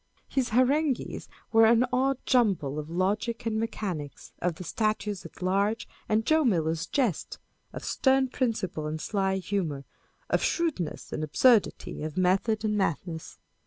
His harangues were an odd jumble of logic and mechanics, of the Statutes at Large and Joe Miller jests, of stem principle and sly humour, of shrewdness and absurdity, of method and madness.